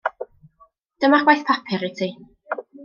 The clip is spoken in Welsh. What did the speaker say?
Dyma'r gwaith papur i ti.